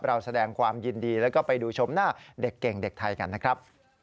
เราแสดงความยินดีแล้วก็ไปดูชมหน้าเด็กเก่งเด็กไทยกันนะครับ